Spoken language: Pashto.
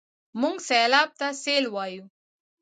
موږ سېلاب ته سېل وايو.